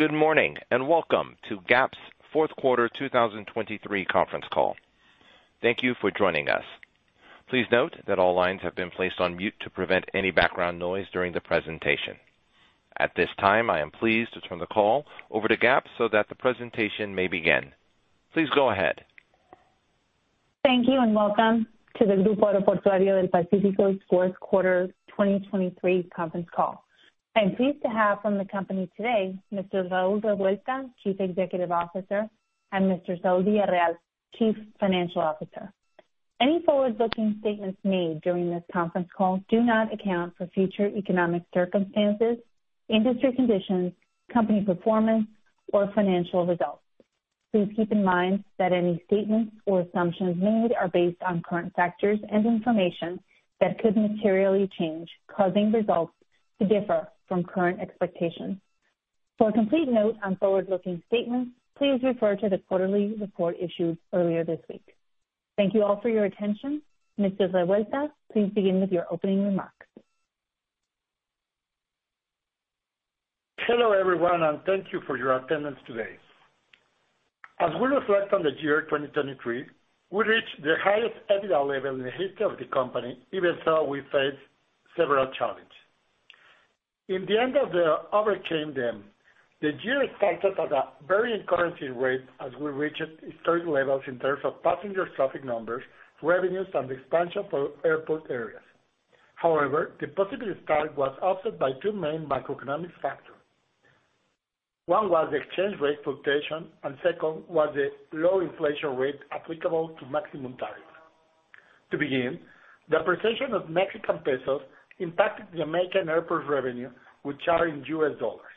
Good morning and welcome to GAP's fourth quarter 2023 conference call. Thank you for joining us. Please note that all lines have been placed on mute to prevent any background noise during the presentation. At this time, I am pleased to turn the call over to GAP so that the presentation may begin. Please go ahead. Thank you and welcome to the Grupo Aeroportuario del Pacífico's fourth quarter 2023 conference call. I am pleased to have from the company today Mr. Raúl Revuelta, Chief Executive Officer, and Mr. Saúl Villarreal, Chief Financial Officer. Any forward-looking statements made during this conference call do not account for future economic circumstances, industry conditions, company performance, or financial results. Please keep in mind that any statements or assumptions made are based on current factors and information that could materially change, causing results to differ from current expectations. For a complete note on forward-looking statements, please refer to the quarterly report issued earlier this week. Thank you all for your attention. Mr. Revuelta, please begin with your opening remarks. Hello everyone and thank you for your attendance today. As we reflect on the year 2023, we reached the highest EBITDA level in the history of the company, even though we faced several challenges. In the end, we overcame them. The year started at a very encouraging rate as we reached historic levels in terms of passenger traffic numbers, revenues, and expansion for airport areas. However, the positive start was offset by two main macroeconomic factors. One was the exchange rate fluctuation, and second was the low inflation rate applicable to maximum tariffs. To begin, the appreciation of Mexican pesos impacted the American airport revenues, which are in US dollars.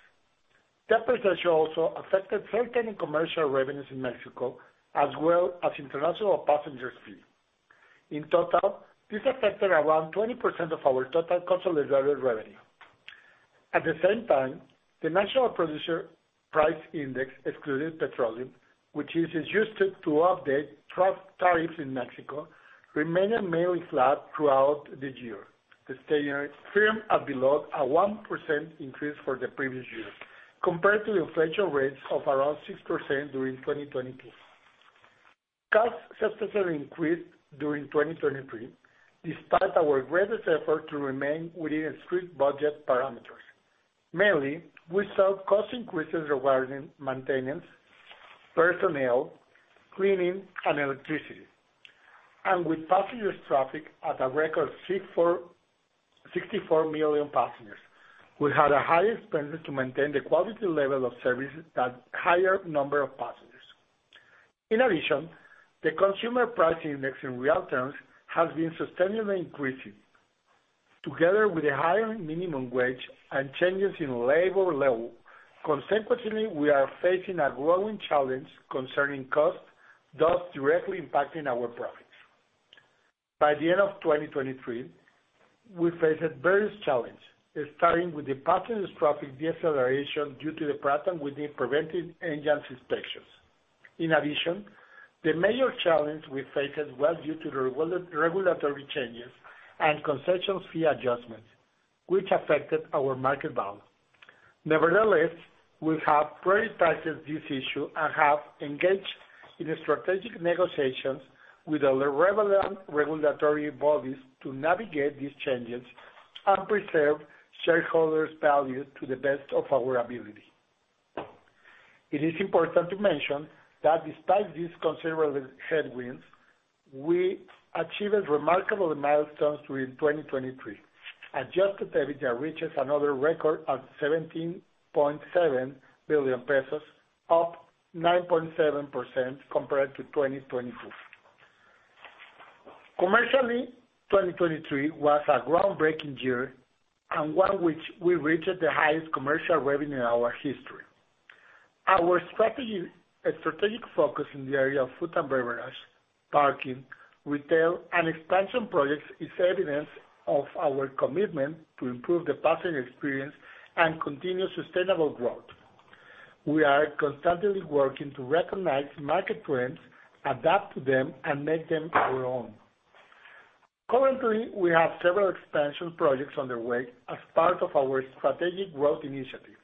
That percentage also affected certain commercial revenues in Mexico, as well as international passengers' fees. In total, this affected around 20% of our total consolidated revenue. At the same time, the National Producer Price Index excluding petroleum, which is used to update tariffs in Mexico, remaining mainly flat throughout the year. It stayed firm at below a 1% increase for the previous year, compared to inflation rates of around 6% during 2022. Costs substantially increased during 2023, despite our greatest effort to remain within strict budget parameters. Mainly, we saw cost increases regarding maintenance, personnel, cleaning, and electricity. With passenger traffic at a record 64 million passengers, we had a high expense to maintain the quality level of service for that higher number of passengers. In addition, the Consumer Price Index in real terms has been sustainably increasing. Together with a higher minimum wage and changes in labor laws, consequently, we are facing a growing challenge concerning costs, thus directly impacting our profits. By the end of 2023, we faced various challenges, starting with the passenger traffic deceleration due to the Pratt & Whitney engine inspections. In addition, the major challenge we faced was due to the regulatory changes and concessions fee adjustments, which affected our market value. Nevertheless, we have prioritized this issue and have engaged in strategic negotiations with other relevant regulatory bodies to navigate these changes and preserve shareholders' value to the best of our ability. It is important to mention that despite these considerable headwinds, we achieved remarkable milestones during 2023. Adjusted EBITDA reaches another record at 17.7 billion pesos, up 9.7% compared to 2022. Commercially, 2023 was a groundbreaking year and one in which we reached the highest commercial revenue in our history. Our strategic focus in the area of food and beverage, parking, retail, and expansion projects is evidence of our commitment to improve the passenger experience and continue sustainable growth. We are constantly working to recognize market trends, adapt to them, and make them our own. Currently, we have several expansion projects underway as part of our strategic growth initiative.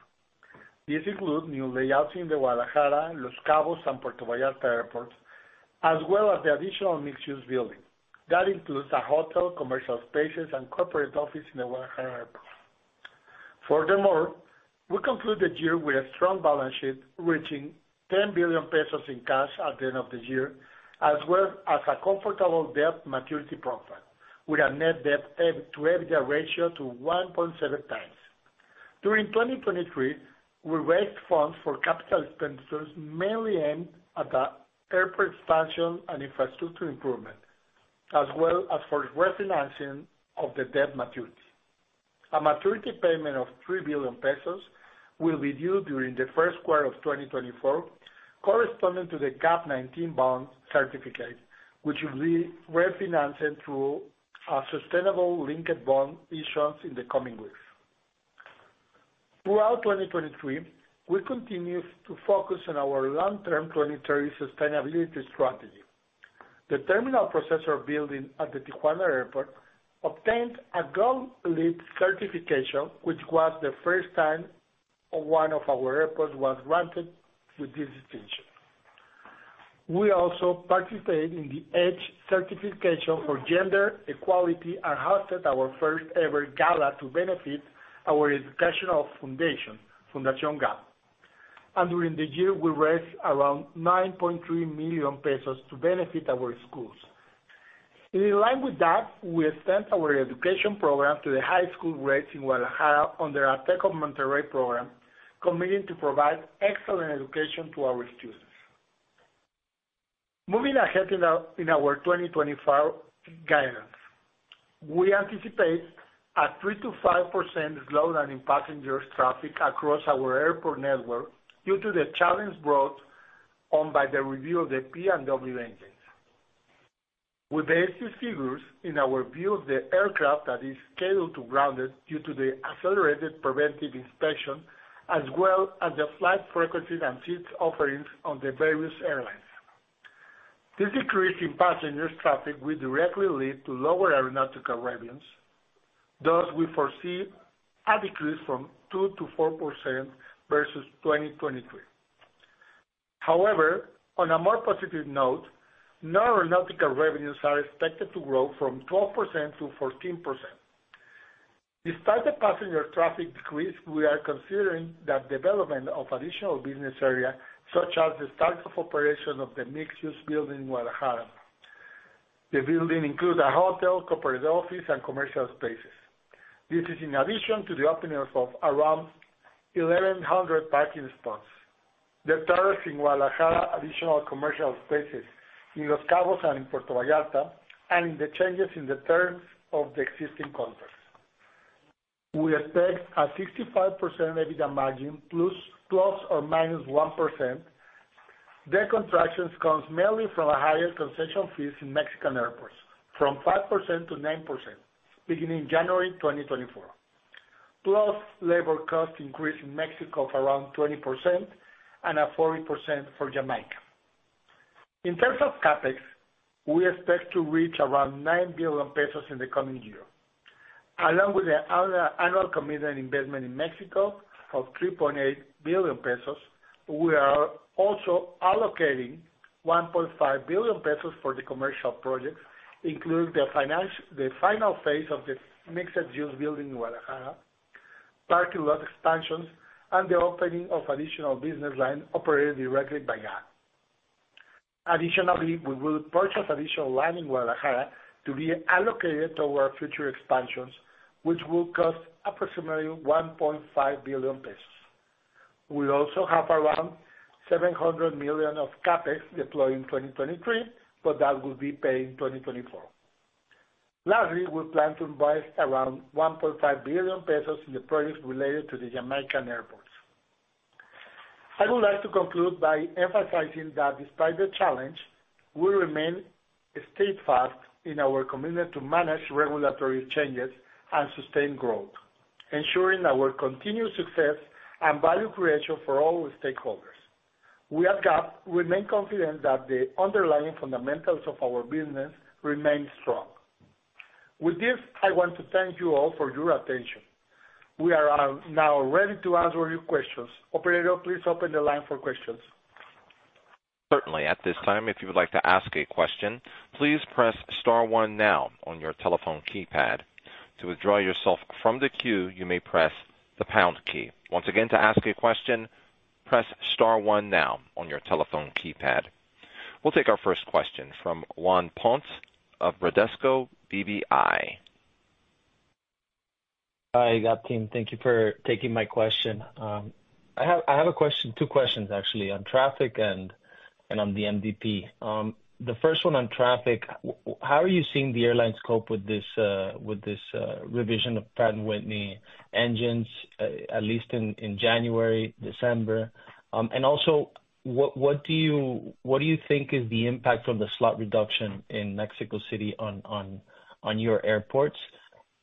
This includes new layouts in the Guadalajara, Los Cabos, and Puerto Vallarta airports, as well as the additional mixed-use building that includes a hotel, commercial spaces, and corporate office in the Guadalajara airport. Furthermore, we conclude the year with a strong balance sheet reaching 10 billion pesos in cash at the end of the year, as well as a comfortable debt maturity profile with a net debt-to-EBITDA ratio to 1.7x. During 2023, we raised funds for capital expenditures mainly aimed at the airport expansion and infrastructure improvement, as well as for refinancing of the debt maturity. A maturity payment of 3 billion pesos will be due during the first quarter of 2024, corresponding to the GAP19 bond certificate, which will be refinanced through Sustainable Linked Bond issuance in the coming weeks. Throughout 2023, we continued to focus on our long-term 2030 sustainability strategy. The terminal processor building at the Tijuana Airport obtained a Gold LEED certification, which was the first time one of our airports was granted with this distinction. We also participated in the EDGE Certification for gender equality and hosted our first-ever gala to benefit our educational foundation, Fundación GAP. During the year, we raised around 9.3 million pesos to benefit our schools. In line with that, we extend our education program to the high school grades in Guadalajara under our Tec de Monterrey program, committing to provide excellent education to our students. Moving ahead in our 2025 guidance, we anticipate a 3%-5% slowdown in passenger traffic across our airport network due to the challenge brought on by the review of the P&W engines. We base these figures in our view of the aircraft that is scheduled to ground it due to the accelerated preventive inspection, as well as the flight frequencies and seats offerings on the various airlines. This decrease in passenger traffic will directly lead to lower aeronautical revenues. Thus, we foresee a decrease from 2%-4% versus 2023. However, on a more positive note, non-aeronautical revenues are expected to grow from 12%-14%. Despite the passenger traffic decrease, we are considering the development of additional business areas, such as the start of operation of the mixed-use building in Guadalajara. The building includes a hotel, corporate office, and commercial spaces. This is in addition to the opening of around 1,100 parking spots, the terrace in Guadalajara, additional commercial spaces in Los Cabos and in Puerto Vallarta, and the changes in the terms of the existing contracts. We expect a 65% EBITDA margin ±1%. The contractions come mainly from higher concession fees in Mexican airports, 5%-9%, beginning January 2024, plus labor cost increase in Mexico of around 20% and 40% for Jamaica. In terms of Capex, we expect to reach around 9 billion pesos in the coming year. Along with the annual commitment investment in Mexico of 3.8 billion pesos, we are also allocating 1.5 billion pesos for the commercial projects, including the final phase of the mixed-use building in Guadalajara, parking lot expansions, and the opening of additional business lines operated directly by GAP. Additionally, we will purchase additional lines in Guadalajara to be allocated to our future expansions, which will cost approximately 1.5 billion pesos. We also have around 700 million of CapEx deployed in 2023, but that will be paid in 2024. Lastly, we plan to invest around 1.5 billion pesos in the projects related to the Jamaican airports. I would like to conclude by emphasizing that despite the challenge, we remain steadfast in our commitment to manage regulatory changes and sustain growth, ensuring our continued success and value creation for all stakeholders. We at GAP remain confident that the underlying fundamentals of our business remain strong. With this, I want to thank you all for your attention. We are now ready to answer your questions. Operator, please open the line for questions. Certainly. At this time, if you would like to ask a question, please press star one now on your telephone keypad. To withdraw yourself from the queue, you may press the pound key. Once again, to ask a question, press star one now on your telephone keypad. We'll take our first question from Juan Pons of Bradesco BBI. Hi GAP team. Thank you for taking my question. I have a question, two questions actually, on traffic and on the MDP. The first one on traffic, how are you seeing the airlines cope with this revision of Pratt & Whitney engines, at least in January, December? And also, what do you think is the impact from the slot reduction in Mexico City on your airports?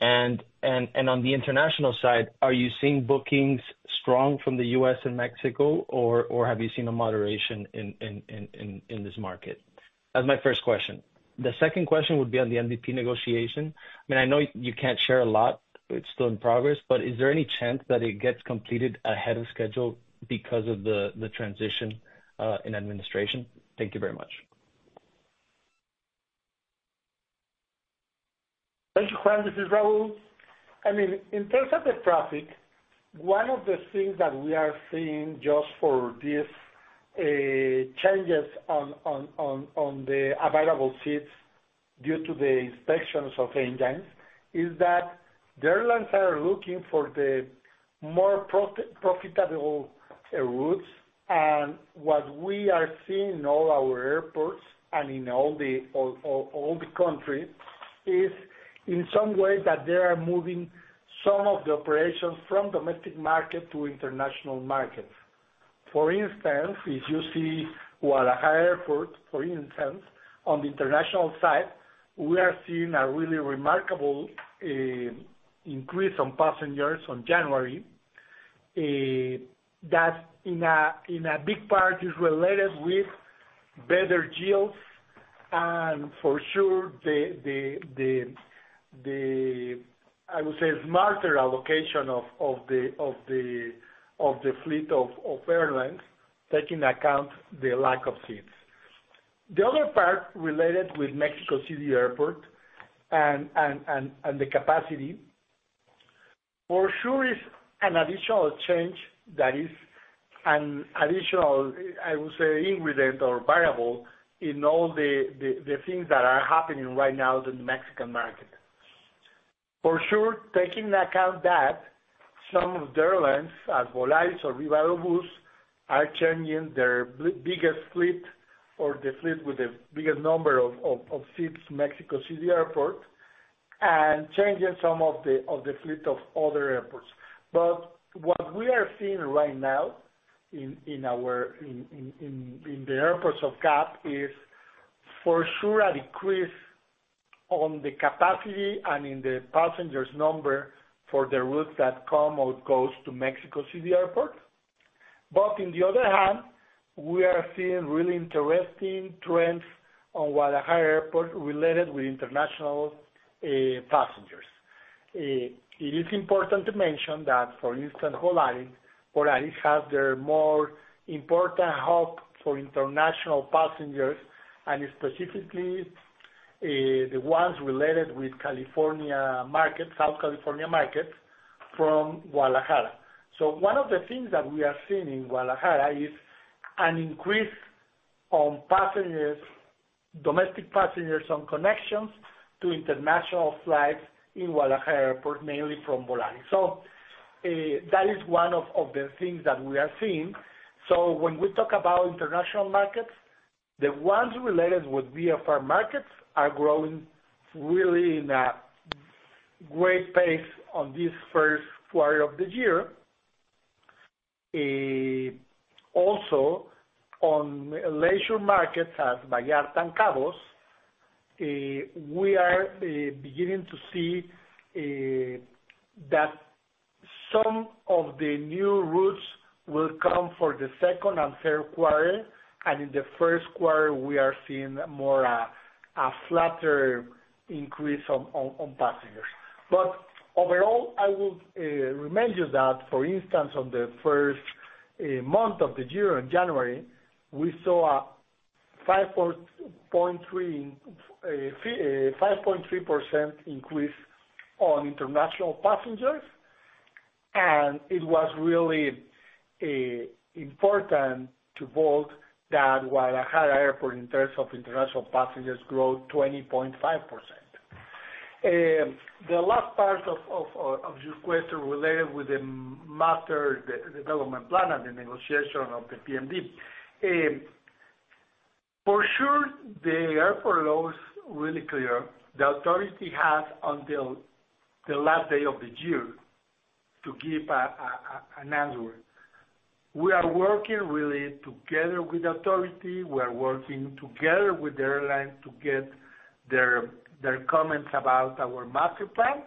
And on the international side, are you seeing bookings strong from the U.S. and Mexico, or have you seen a moderation in this market? That's my first question. The second question would be on the MDP negotiation. I mean, I know you can't share a lot. It's still in progress, but is there any chance that it gets completed ahead of schedule because of the transition in administration? Thank you very much. Thank you, Juan. This is Raúl. I mean, in terms of the traffic, one of the things that we are seeing just for these changes on the available seats due to the inspections of engines is that the airlines are looking for the more profitable routes. What we are seeing in all our airports and in all the country is, in some way, that they are moving some of the operations from domestic market to international markets. For instance, if you see Guadalajara Airport, for instance, on the international side, we are seeing a really remarkable increase in passengers in January that, in a big part, is related with better yields and, for sure, I would say, smarter allocation of the fleet of airlines, taking account of the lack of seats. The other part related with Mexico City Airport and the capacity, for sure, is an additional change that is an additional, I would say, ingredient or variable in all the things that are happening right now in the Mexican market. For sure, taking into account that some of the airlines, as Volaris or Viva Aerobus, are changing their biggest fleet or the fleet with the biggest number of seats in Mexico City Airport and changing some of the fleet of other airports. But what we are seeing right now in the airports of GAP is, for sure, a decrease in the capacity and in the passengers' number for the routes that come or go to Mexico City Airport. But on the other hand, we are seeing really interesting trends on Guadalajara Airport related with international passengers. It is important to mention that, for instance, Volaris has their more important hub for international passengers and specifically the ones related with California markets, South California markets, from Guadalajara. So one of the things that we are seeing in Guadalajara is an increase in domestic passengers on connections to international flights in Guadalajara Airport, mainly from Volaris. So that is one of the things that we are seeing. So when we talk about international markets, the ones related with VFR markets are growing really at a great pace on this first quarter of the year. Also, on leisure markets as Vallarta and Cabos, we are beginning to see that some of the new routes will come for the second and third quarter. And in the first quarter, we are seeing more of a flatter increase in passengers. Overall, I will remind you that, for instance, on the first month of the year, in January, we saw a 5.3% increase in international passengers. It was really important to note that Guadalajara Airport, in terms of international passengers, grew 20.5%. The last part of your question related with the Master Development Plan and the negotiation of the PMD, for sure, the Airport Law is really clear. The authority has until the last day of the year to give an answer. We are working really together with the authority. We are working together with the airline to get their comments about our Master Plan.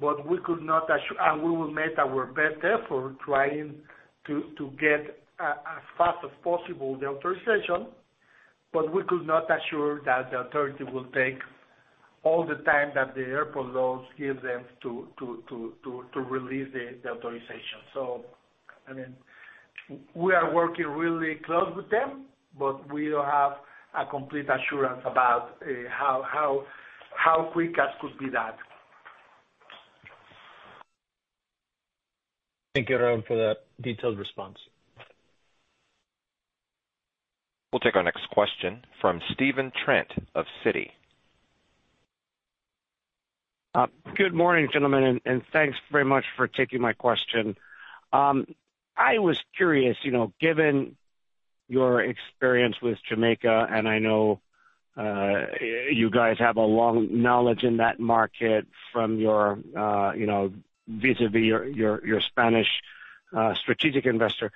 But we could not and we will make our best effort trying to get as fast as possible the authorization. But we could not assure that the authority will take all the time that the Airport Law gives them to release the authorization. So, I mean, we are working really close with them, but we don't have a complete assurance about how quick it could be that. Thank you, Raúl, for that detailed response. We'll take our next question from Stephen Trent of Citi. Good morning, gentlemen, and thanks very much for taking my question. I was curious, given your experience with Jamaica, and I know you guys have a long knowledge in that market from your Spanish strategic investor,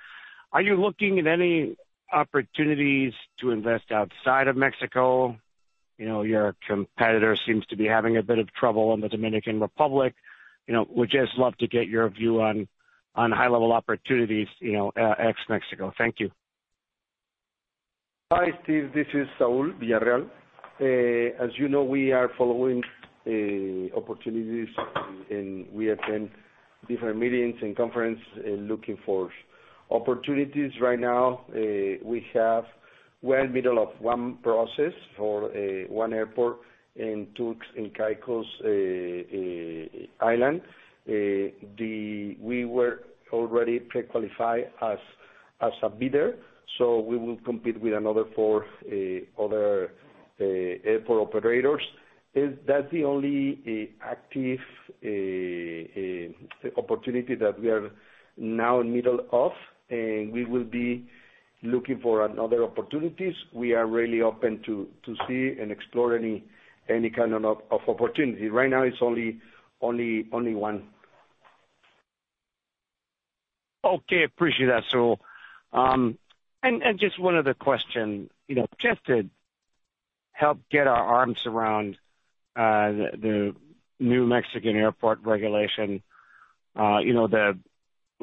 are you looking at any opportunities to invest outside of Mexico? Your competitor seems to be having a bit of trouble in the Dominican Republic. We'd just love to get your view on high-level opportunities, ex-Mexico. Thank you. Hi, Steve. This is Saúl Villarreal. As you know, we are following opportunities, and we attend different meetings and conferences looking for opportunities. Right now, we're in the middle of one process for one airport in the Caicos Islands. We were already pre-qualified as a bidder, so we will compete with another four other airport operators. That's the only active opportunity that we are now in the middle of. We will be looking for other opportunities. We are really open to see and explore any kind of opportunity. Right now, it's only one. Okay. Appreciate that, Saúl. And just one other question. Just to help get our arms around the new Mexican airport regulation, the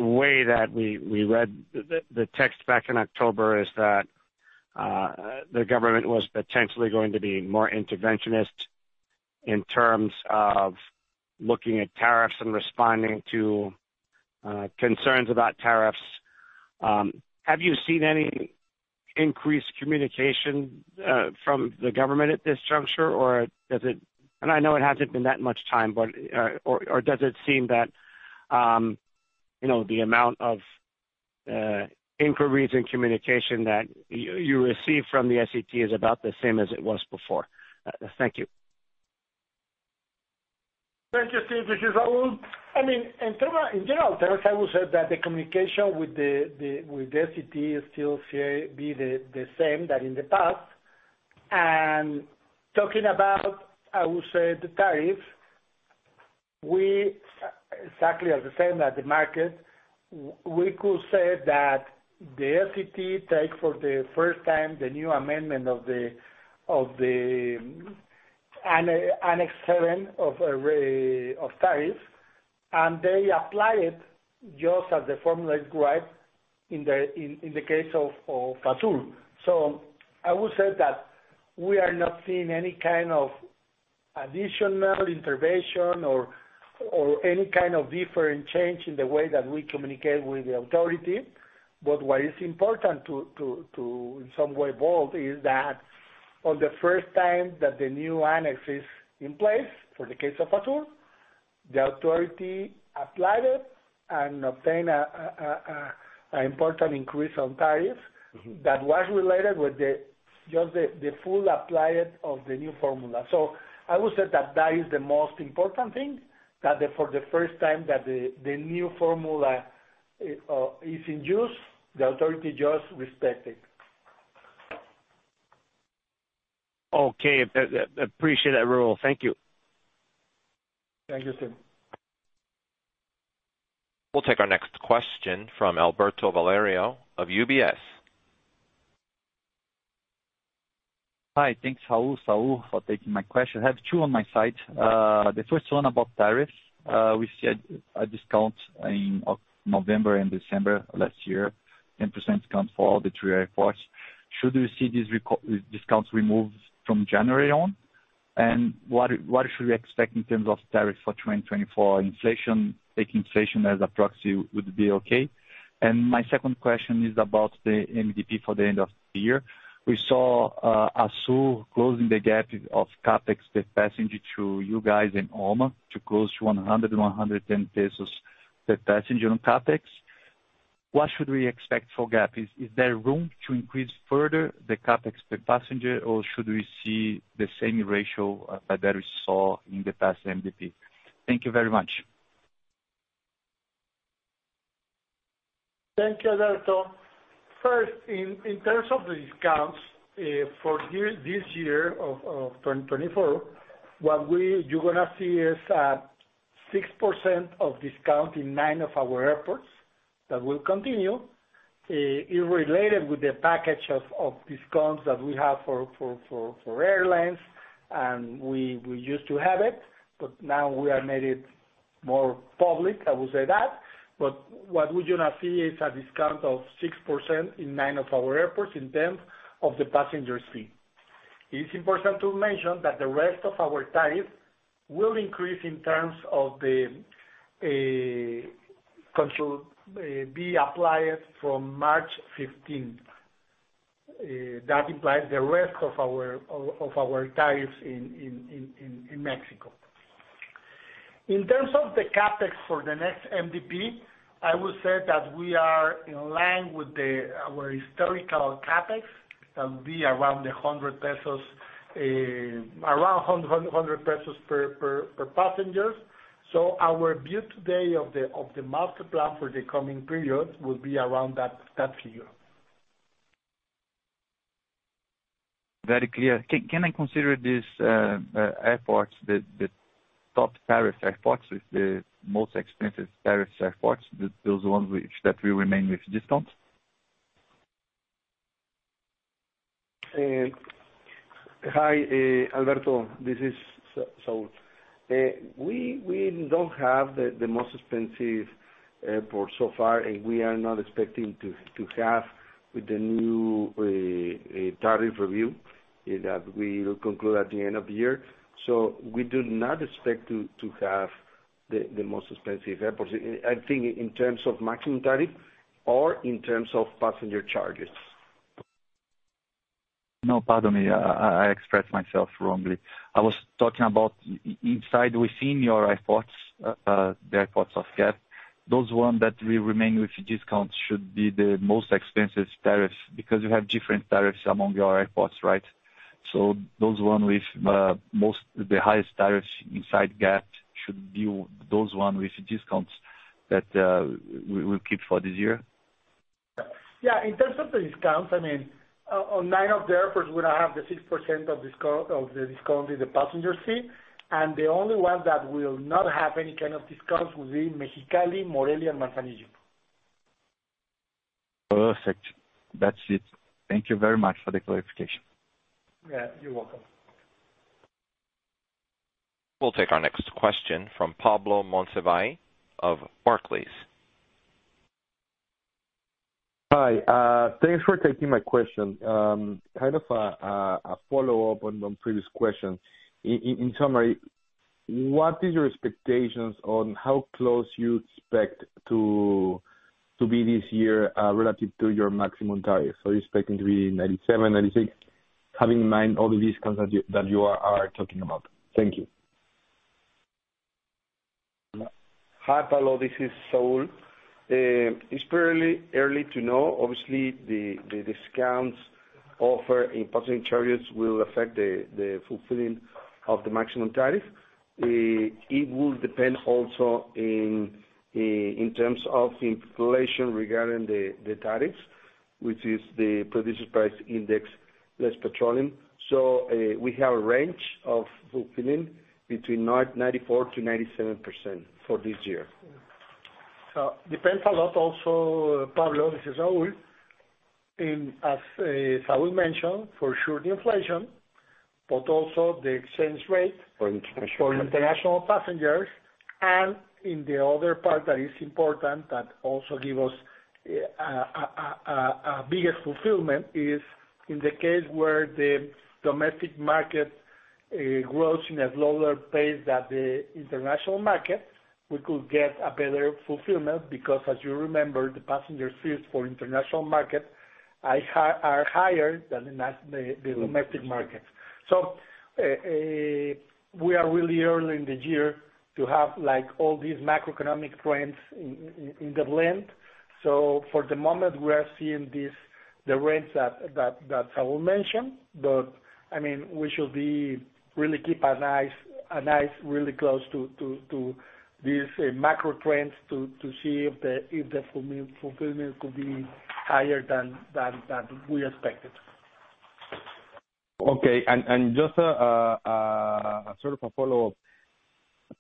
way that we read the text back in October is that the government was potentially going to be more interventionist in terms of looking at tariffs and responding to concerns about tariffs. Have you seen any increased communication from the government at this juncture, or does it and I know it hasn't been that much time, but or does it seem that the amount of inquiries and communication that you receive from the SCT is about the same as it was before? Thank you. Thank you, Steve. This is Raúl. I mean, in general, I would say that the communication with the SCT is still here to be the same than in the past. And talking about, I would say, the tariffs, exactly as the same as the market, we could say that the SCT take for the first time the new amendment of the Annex 7 of tariffs, and they apply it just as the formula is right in the case of ASUR. So I would say that we are not seeing any kind of additional intervention or any kind of different change in the way that we communicate with the authority. But what is important to, in some way, note is that on the first time that the new annex is in place, for the case of ASUR, the authority applied it and obtained an important increase in tariffs that was related with just the full application of the new formula. So I would say that that is the most important thing, that for the first time that the new formula is in use, the authority just respects it. Okay. Appreciate that, Raúl. Thank you. Thank you, Steve. We'll take our next question from Alberto Valerio of UBS. Hi. Thanks, Raúl, Saúl, for taking my question. I have two on my side. The first one about tariffs. We see a discount in November and December last year, 10% discount for all the three airports. Should we see these discounts removed from January on? And what should we expect in terms of tariffs for 2024? Taking inflation as a proxy would be okay. And my second question is about the MDP for the end of the year. We saw ASUR closing the gap of Capex per passenger to you guys and OMA to close to 100-110 pesos per passenger on Capex. What should we expect for GAP? Is there room to increase further the Capex per passenger, or should we see the same ratio that we saw in the past MDP? Thank you very much. Thank you, Alberto. First, in terms of the discounts for this year of 2024, what you're going to see is a 6% discount in nine of our airports that will continue. It's related with the package of discounts that we have for airlines. And we used to have it, but now we have made it more public. I would say that. But what we're going to see is a discount of 6% in nine of our airports in terms of the passenger fee. I t is important to mention that the rest of our tariffs will increase in terms of the control. Will be applied from March 15th. That implies the rest of our tariffs in Mexico. In terms of the CapEx for the next MDP, I would say that we are in line with our historical CapEx. That will be around 100 pesos around MXN 100 per passenger. So our view today of the master plan for the coming period will be around that figure. Very clear. Can I consider these airports, the top tariff airports, the most expensive tariff airports, those ones that will remain with discounts? Hi, Alberto. This is Saúl. We don't have the most expensive airport so far, and we are not expecting to have with the new tariff review that we will conclude at the end of the year. So we do not expect to have the most expensive airports, I think, in terms of maximum tariff or in terms of passenger charges. No, pardon me. I expressed myself wrongly. I was talking about inside within your airports, the airports of GAP, those ones that will remain with discounts should be the most expensive tariffs because you have different tariffs among your airports, right? So those ones with the highest tariffs inside GAP should be those ones with discounts that we'll keep for this year. Yeah. In terms of the discounts, I mean, on nine of the airports, we're going to have the 6% of the discount in the passenger fee. And the only ones that will not have any kind of discount will be Mexicali, Morelia, and Manzanillo. Perfect. That's it. Thank you very much for the clarification. Yeah. You're welcome. We'll take our next question from Pablo Monsivais of Barclays. Hi. Thanks for taking my question. Kind of a follow-up on previous question. In summary, what is your expectations on how close you expect to be this year relative to your maximum tariffs? Are you expecting to be 97%, 96%, having in mind all the discounts that you are talking about? Thank you. Hi, Pablo. This is Saúl. It's probably early to know. Obviously, the discounts offered in passenger charges will affect the fulfilling of the maximum tariff. It will depend also in terms of inflation regarding the tariffs, which is the producer price index plus petroleum. So we have a range of fulfilling between 94%-97% for this year. So it depends a lot also, Pablo. This is Saúl. And as Saúl mentioned, for sure, the inflation, but also the exchange rate. For international passengers. For international passengers. In the other part that is important that also gives us a biggest fulfillment is in the case where the domestic market grows in a slower pace than the international market, we could get a better fulfillment because, as you remember, the passenger fees for international markets are higher than the domestic markets. So we are really early in the year to have all these macroeconomic trends in the blend. So for the moment, we are seeing the rents that Saúl mentioned. But, I mean, we should really keep an eye really close to these macro trends to see if the fulfillment could be higher than we expected. Okay. Just sort of a follow-up,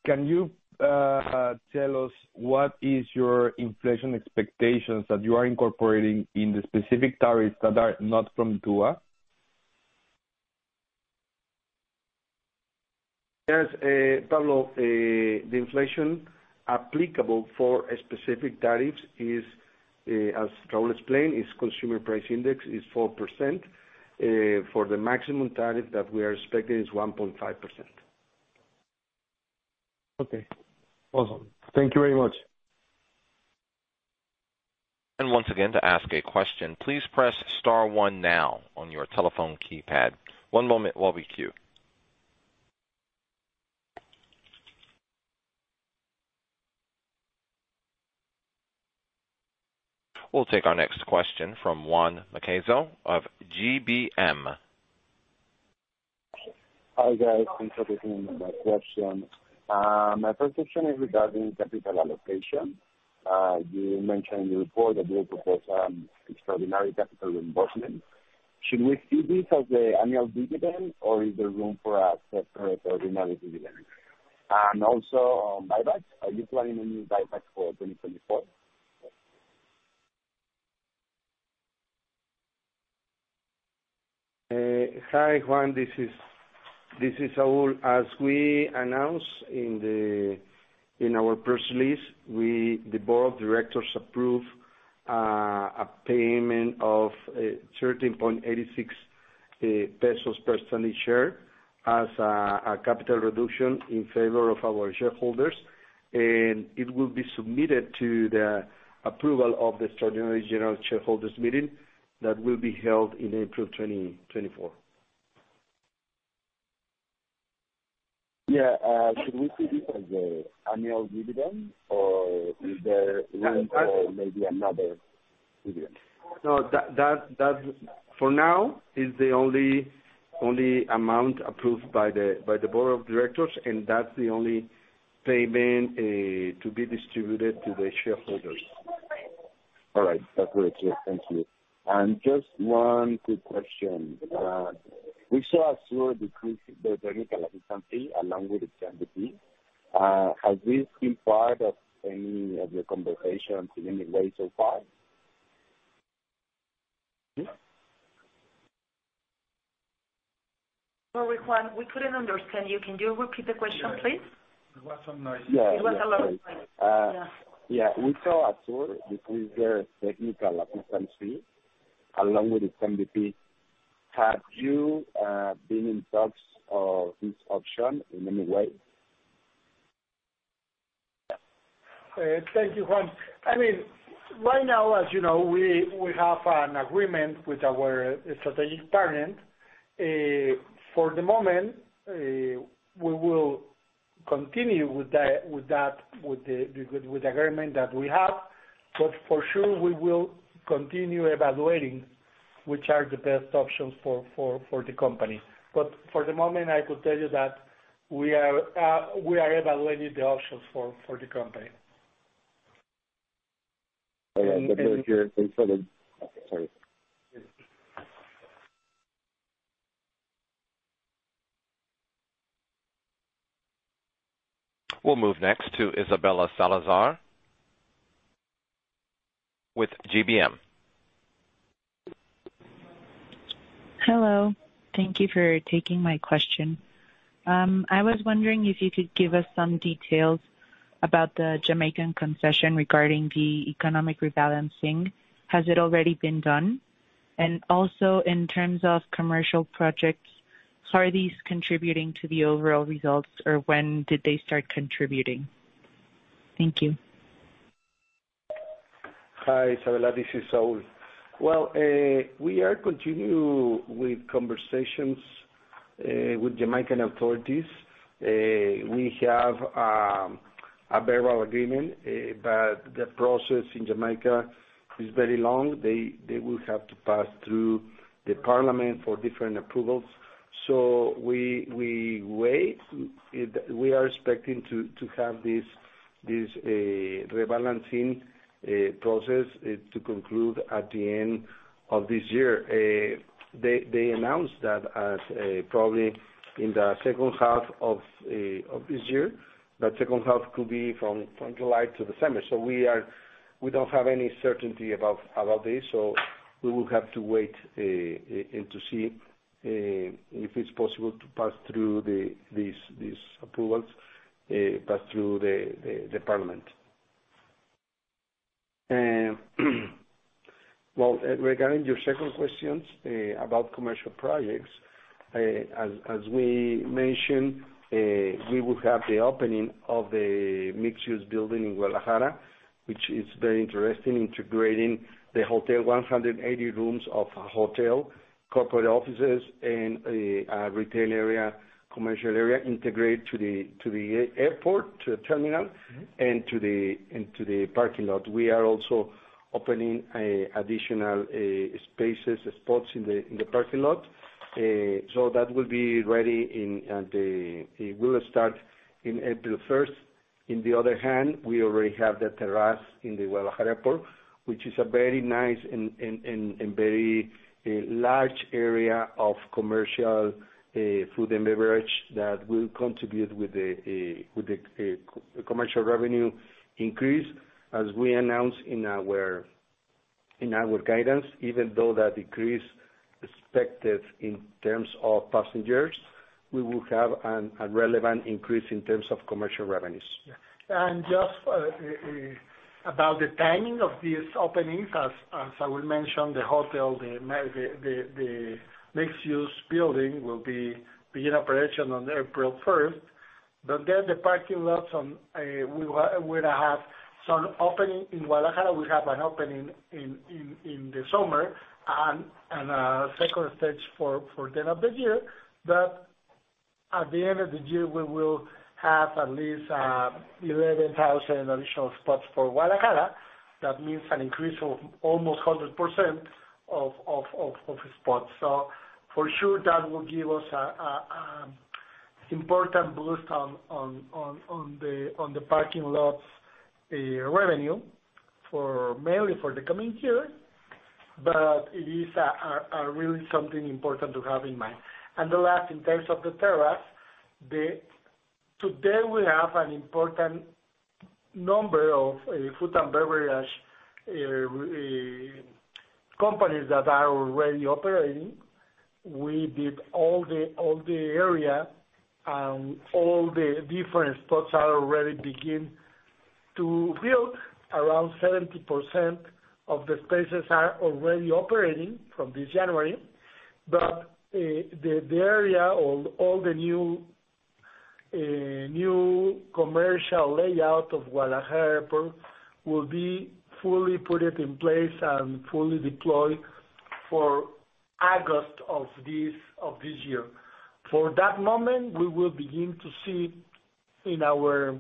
can you tell us what is your inflation expectations that you are incorporating in the specific tariffs that are not from TUA? Yes, Pablo. The inflation applicable for specific tariffs is, as Raúl explained, is Consumer Price Index, is 4%. For the maximum tariff that we are expecting is 1.5%. Okay. Awesome. Thank you very much. Once again, to ask a question, please press star one now on your telephone keypad. One moment while we queue. We'll take our next question from Juan Macedo of GBM. Hi guys. I'm sorry to interrupt my question. My first question is regarding capital allocation. You mentioned in the report that you will propose extraordinary capital reimbursement. Should we see this as the annual dividend, or is there room for a separate ordinary dividend? And also, buybacks, are you planning any buybacks for 2024? Hi, Juan. This is Saúl. As we announced in our press release, the board of directors approved a payment of 13.86 pesos per share as a capital reduction in favor of our shareholders. It will be submitted to the approval of the extraordinary general shareholders' meeting that will be held in April 2024. Yeah. Should we see this as the annual dividend, or is there room for maybe another dividend? No, for now, it's the only amount approved by the Board of Directors, and that's the only payment to be distributed to the shareholders. All right. That's very clear. Thank you. And just one quick question. We saw ASUR decrease the technical assistance fee along with the MDP. Has this been part of any of your conversations in any way so far? Sorry, Juan. We couldn't understand you. Can you repeat the question, please? Yeah. It was some noise. Yeah. It was a lot of noise. Yeah. Yeah. We saw ASUR decrease their technical assistance fee along with the MDP. Have you been in talks of this option in any way? Thank you, Juan. I mean, right now, as you know, we have an agreement with our strategic partner. For the moment, we will continue with that, with the agreement that we have. But for sure, we will continue evaluating which are the best options for the company. But for the moment, I could tell you that we are evaluating the options for the company. All right. Good to hear. Thanks for the sorry. We'll move next to Isabella Salazar with GBM. Hello. Thank you for taking my question. I was wondering if you could give us some details about the Jamaican concession regarding the economic rebalancing. Has it already been done? And also, in terms of commercial projects, are these contributing to the overall results, or when did they start contributing? Thank you. Hi, Isabella. This is Saúl. Well, we are continuing with conversations with Jamaican authorities. We have a verbal agreement, but the process in Jamaica is very long. They will have to pass through the parliament for different approvals. So we are expecting to have this rebalancing process to conclude at the end of this year. They announced that probably in the second half of this year. That second half could be from July to December. So we don't have any certainty about this. So we will have to wait and to see if it's possible to pass through these approvals, pass through the parliament. Well, regarding your second questions about commercial projects, as we mentioned, we will have the opening of the mixed-use building in Guadalajara, which is very interesting, integrating the hotel 180 rooms of a hotel, corporate offices, and a retail area, commercial area, integrate to the airport, to the terminal, and to the parking lot. We are also opening additional spaces, spots in the parking lot. So that will be ready; it will start in April 1st. On the other hand, we already have the terrace in the Guadalajara Airport, which is a very nice and very large area of commercial food and beverage that will contribute with the commercial revenue increase, as we announced in our guidance. Even though that decrease is expected in terms of passengers, we will have a relevant increase in terms of commercial revenues. Just about the timing of these openings, as I will mention, the hotel, the mixed-use building will begin operation on April 1st. But then the parking lots, we're going to have some opening in Guadalajara. We have an opening in the summer and a second stage for the end of the year. But at the end of the year, we will have at least 11,000 additional spots for Guadalajara. That means an increase of almost 100% of spots. So for sure, that will give us an important boost on the parking lot revenue, mainly for the coming year. But it is really something important to have in mind. And the last, in terms of the terrace. Today, we have an important number of food and beverage companies that are already operating. We did all the area, and all the different spots are already beginning to build. Around 70% of the spaces are already operating from this January. But the area, all the new commercial layout of Guadalajara Airport will be fully put in place and fully deployed for August of this year. For that moment, we will begin to see in our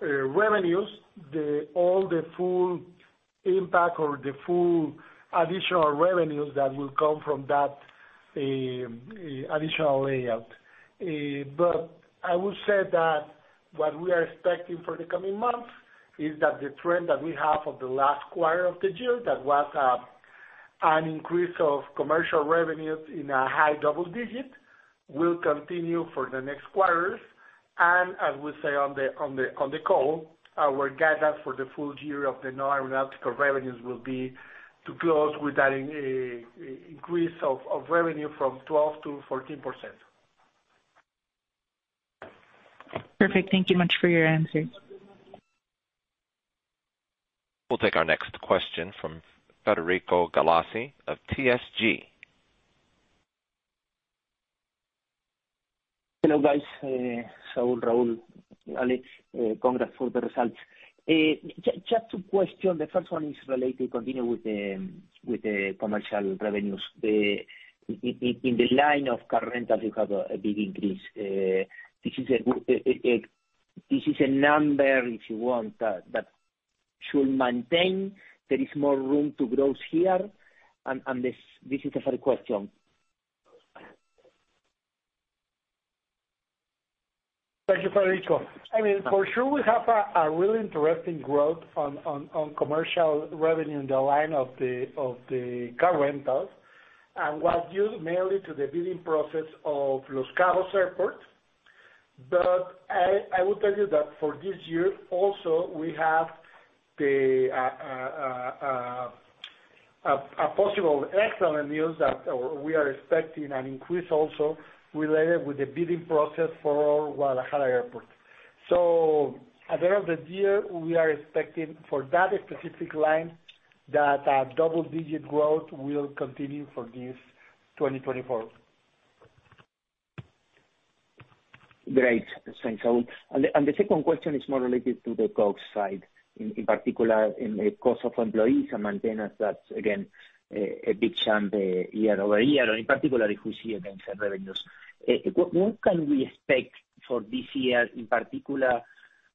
revenues all the full impact or the full additional revenues that will come from that additional layout. But I would say that what we are expecting for the coming months is that the trend that we have of the last quarter of the year, that was an increase of commercial revenues in a high double-digit, will continue for the next quarters. And as we say on the call, our guidance for the full year of the non-aeronautical revenues will be to close with that increase of revenue from 12%-14%. Perfect. Thank you much for your answers. We'll take our next question from Federico Galassi of TRG. Hello guys. Saúl, Raúl, Alejandra. Congrats for the results. Just two questions. The first one is related, continue with the commercial revenues. In the line of car rentals, you have a big increase. This is a number, if you want, that should maintain. There is more room to grow here. This is a fair question. Thank you, Federico. I mean, for sure, we have a really interesting growth on commercial revenue in the line of the car rentals and was due mainly to the bidding process of Los Cabos Airport. But I would tell you that for this year, also, we have a possible excellent news that we are expecting an increase also related with the bidding process for Guadalajara Airport. So at the end of the year, we are expecting for that specific line that double-digit growth will continue for this 2024. Great. Thanks, Saúl. And the second question is more related to the cost side, in particular, in the cost of employees and maintenance. That's, again, a big chunk year over year. And in particular, if we see against the revenues, what can we expect for this year? In particular,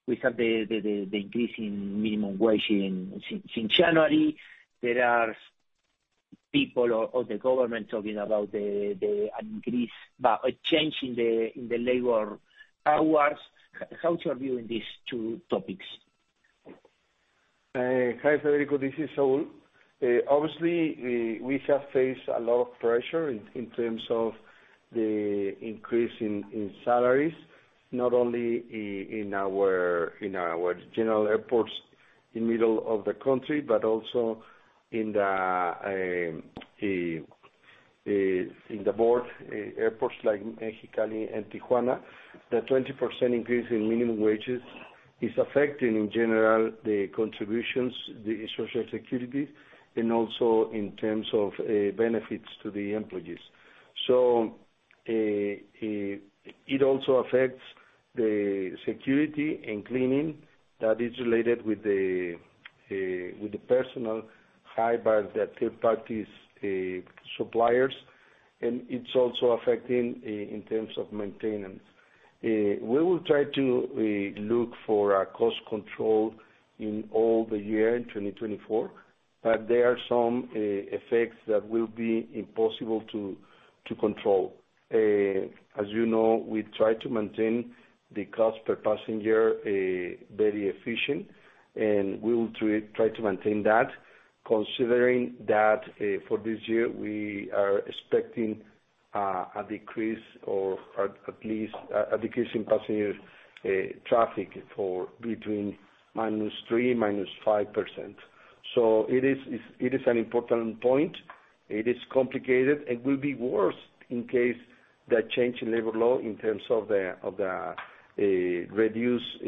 we have the increase in minimum wage since January. There are people or the government talking about an increase or a change in the labor hours. How is your view on these two topics? Hi, Federico. This is Saúl. Obviously, we have faced a lot of pressure in terms of the increase in salaries, not only in our general airports in the middle of the country, but also in the border airports like Mexicali and Tijuana. The 20% increase in minimum wages is affecting, in general, the contributions, the social securities, and also in terms of benefits to the employees. So it also affects the security and cleaning that is related with the personnel, hired by the third-party suppliers. And it's also affecting in terms of maintenance. We will try to look for cost control in all the year in 2024, but there are some effects that will be impossible to control. As you know, we try to maintain the cost per passenger very efficient, and we will try to maintain that considering that for this year, we are expecting a decrease or at least a decrease in passenger traffic between -3%-5%. So it is an important point. It is complicated. It will be worse in case that change in labor law in terms of the reduced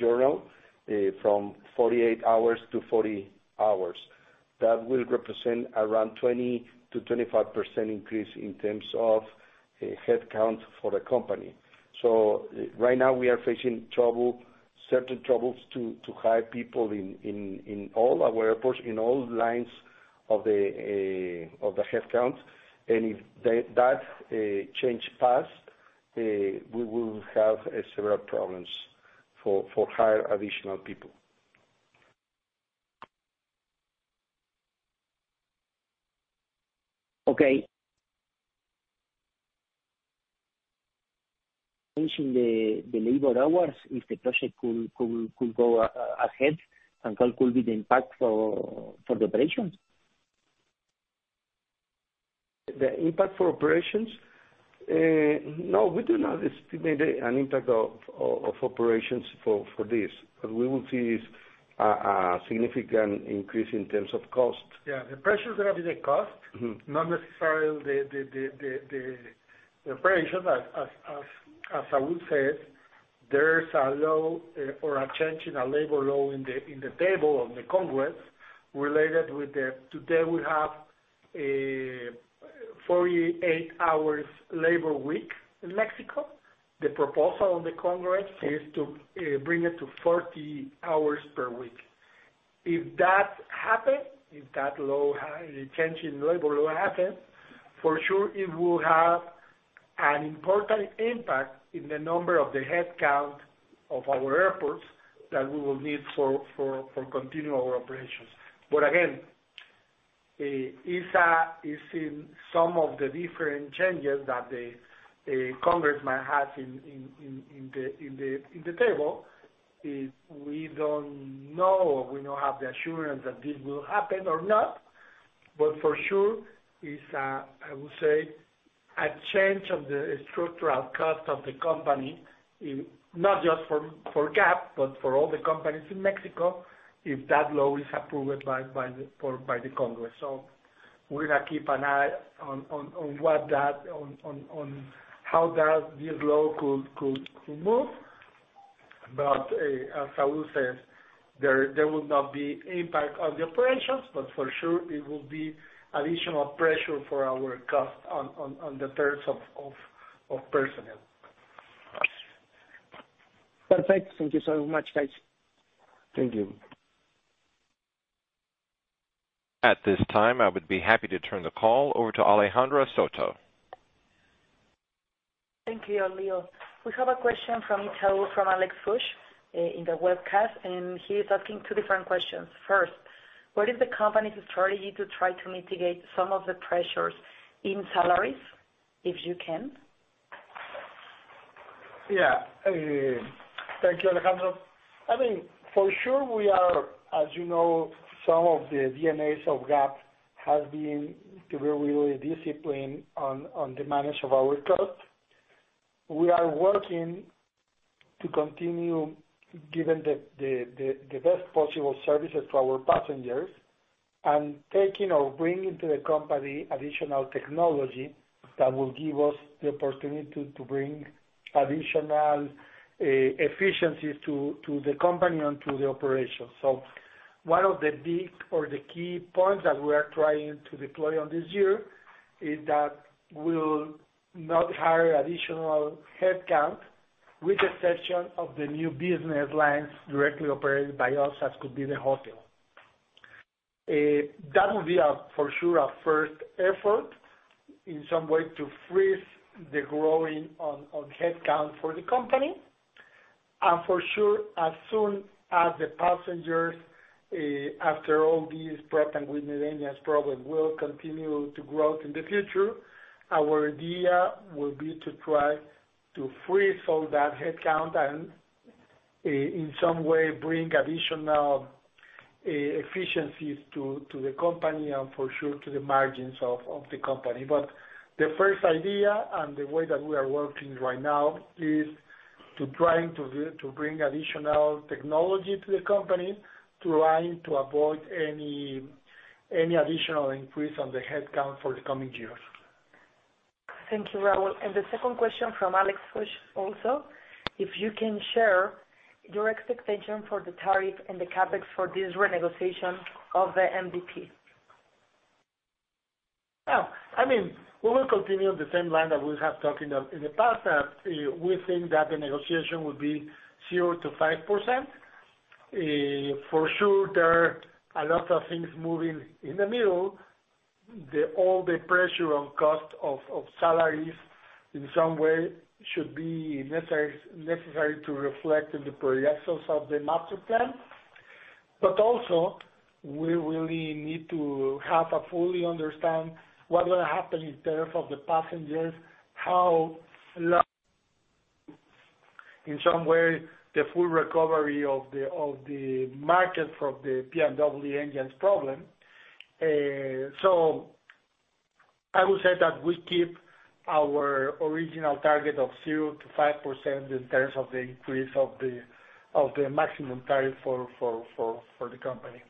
jornada from 48 hours to 40 hours. That will represent around 20%-25% increase in terms of headcount for a company. So right now, we are facing certain troubles to hire people in all our airports, in all lines of the headcount. And if that change passed, we will have several problems for hiring additional people. Okay. Changing the labor hours, if the project could go ahead, and what could be the impact for the operations? The impact for operations? No, we do not estimate an impact of operations for this. What we will see is a significant increase in terms of cost. Yeah. The pressure is going to be the cost, not necessarily the operation. As Saúl says, there's a change in a labor law in the table of the Congress related with today, we have 48 hours labor week in Mexico. The proposal on the Congress is to bring it to 40 hours per week. If that happens, if that change in labor law happens, for sure, it will have an important impact in the number of the headcount of our airports that we will need for continuing our operations. But again, in some of the different changes that the Congress might have in the table, we don't know or we don't have the assurance that this will happen or not. But for sure, it's, I would say, a change of the structural cost of the company, not just for GAP, but for all the companies in Mexico, if that law is approved by the Congress. So we're going to keep an eye on how this law could move. But as Saúl says, there will not be impact on the operations, but for sure, it will be additional pressure for our cost on the terms of personnel. Perfect. Thank you so much, guys. Thank you. At this time, I would be happy to turn the call over to Alejandra Soto. Thank you, Leo. We have a question from Itaú, from Alex Fuchs, in the webcast, and he is asking two different questions. First, what is the company's strategy to try to mitigate some of the pressures in salaries, if you can? Yeah. Thank you, Alejandra. I mean, for sure, we are, as you know, some of the DNAs of GAP has been to be really disciplined on the management of our costs. We are working to continue, giving the best possible services to our passengers and taking or bringing to the company additional technology that will give us the opportunity to bring additional efficiencies to the company and to the operations. So one of the big or the key points that we are trying to deploy on this year is that we will not hire additional headcount, with the exception of the new business lines directly operated by us, as could be the hotel. That will be, for sure, a first effort in some way to freeze the growth on headcount for the company. For sure, as soon as the passengers, after all these Pratt & Whitney problem, will continue to grow in the future, our idea will be to try to freeze all that headcount and, in some way, bring additional efficiencies to the company and, for sure, to the margins of the company. The first idea and the way that we are working right now is to try to bring additional technology to the company to try to avoid any additional increase on the headcount for the coming years. Thank you, Raúl. The second question from Alex Fuchs also, if you can share your expectation for the tariff and the Capex for this renegotiation of the MDP. Yeah. I mean, we will continue on the same line that we have talked in the past that we think that the negotiation will be 0%-5%. For sure, there are a lot of things moving in the middle. All the pressure on cost of salaries, in some way, should be necessary to reflect in the projections of the master plan. But also, we really need to have a full understanding what's going to happen in terms of the passengers, how long, in some way, the full recovery of the market from the P&W engines problem. So I would say that we keep our original target of 0%-5% in terms of the increase of the maximum tariff for the company.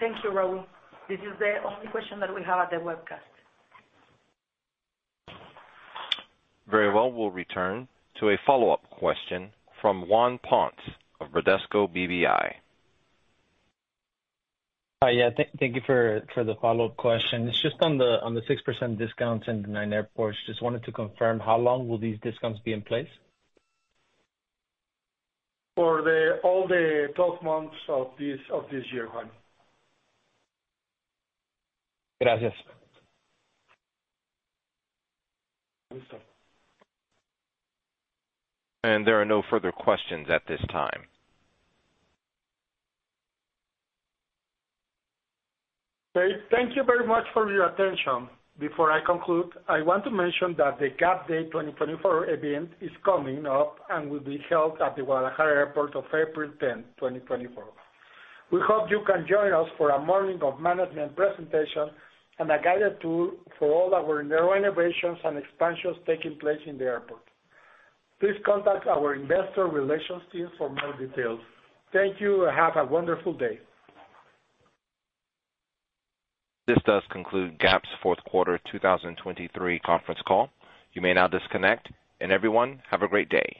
Thank you, Raúl. This is the only question that we have at the webcast. Very well. We'll return to a follow-up question from Juan Ponce of Bradesco BBI. Yeah. Thank you for the follow-up question. It's just on the 6% discounts in the nine airports. Just wanted to confirm, how long will these discounts be in place? For all the 12 months of this year, Juan. Gracias. There are no further questions at this time. Great. Thank you very much for your attention. Before I conclude, I want to mention that the GAP Day 2024 event is coming up and will be held at the Guadalajara Airport on April 10th, 2024. We hope you can join us for a morning of management presentation and a guided tour for all our renovations and expansions taking place in the airport. Please contact our investor relations team for more details. Thank you. Have a wonderful day. This does conclude GAP's fourth quarter 2023 conference call. You may now disconnect. Everyone, have a great day.